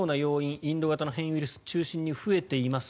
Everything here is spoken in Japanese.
インド型の変異ウイルス中心に増えています。